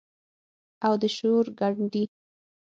او د شور ګنډي